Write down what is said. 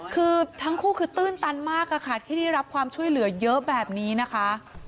คือทั้งคู่คือตื้นตันมากค่ะที่ได้รับความช่วยเหลือเยอะแบบนี้นะคะ